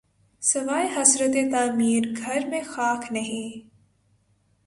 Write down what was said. سواے حسرتِ تعمیر‘ گھر میں خاک نہیں